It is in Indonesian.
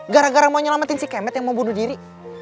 gara gara mau nyelamatin si kemet yang mau bunuh diri